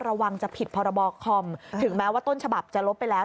ระวังจะผิดพรบคอมถึงแม้ว่าต้นฉบับจะลบไปแล้ว